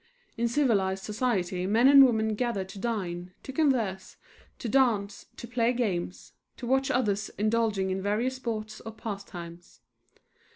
In civilized society men and women gathered to dine, to converse, to dance, to play games, to watch others indulging in various sports or pastimes.